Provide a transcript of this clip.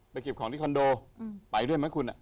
เก็บของที่คอนโดไปด้วยไหมคุณ